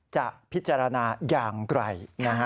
จะพิจารณาอย่างไกล